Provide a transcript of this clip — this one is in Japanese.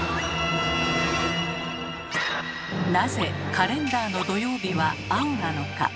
なぜカレンダーの土曜日は青なのか？